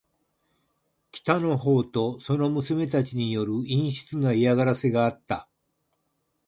北の方とその娘たちによる陰湿な嫌がらせがあった。